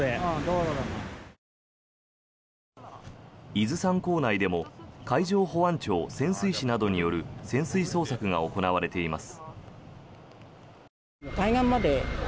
伊豆山港内でも海上保安庁潜水士などによる潜水捜索が行われています。